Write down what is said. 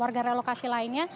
warga relokasi lainnya